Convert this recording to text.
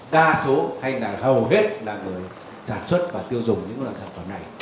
đa số hay là hầu hết là sản xuất và tiêu dùng những loại sản phẩm này